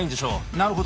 なるほど！